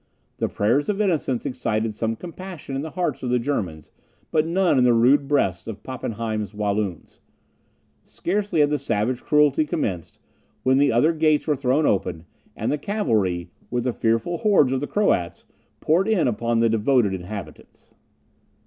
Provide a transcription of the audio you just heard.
The prayers of innocence excited some compassion in the hearts of the Germans, but none in the rude breasts of Pappenheim's Walloons. Scarcely had the savage cruelty commenced, when the other gates were thrown open, and the cavalry, with the fearful hordes of the Croats, poured in upon the devoted inhabitants.